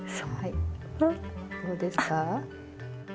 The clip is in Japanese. どうですか？